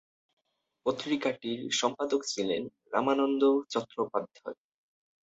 পত্রিকাটির সম্পাদক ছিলেন রামানন্দ চট্টোপাধ্যায়।